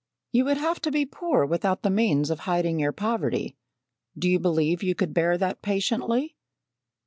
You would have to be poor without the means of hiding your poverty. Do you believe you could bear that patiently?